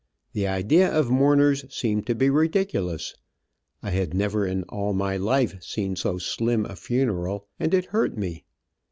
The idea of mourners seemed to be ridiculous. I had never, in all my life, seen so slim a funeral, and it hurt me.